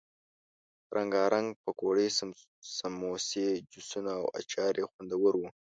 رنګه رنګه پکوړې، سموسې، جوسونه او اچار یې خوندور وو.